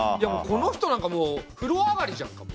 この人なんかもうふろ上がりじゃんか。